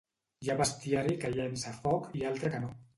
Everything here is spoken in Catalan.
Hi ha bestiari que llença foc i altre que no.